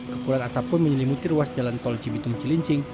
kepulan asap pun menyelimuti ruas jalan tol cibitung cilincing